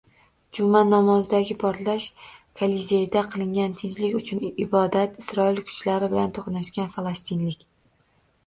Juma namozidagi portlash, Kolizeyda qilingan tinchlik uchun ibodat, Isroil kuchlari bilan to‘qnashgan falastinlik